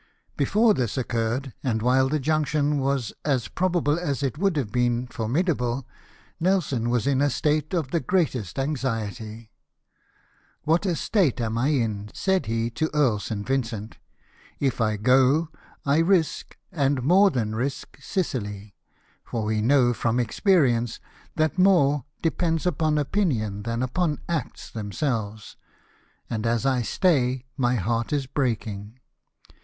Before this occurred, and while the junction was as probable as it would have been formidable. Nelson was in a state of the greatest anxiety. " What a state am I in !" said he to Earl St. Vincent. " If I go, I risk, and more than risk, Sicily ; for we know, from experi ence, that more depends upon opinion than upon acts themselves ; and as I stay, my heart is breaking."